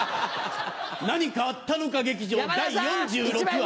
何かあったのか劇場第４６話。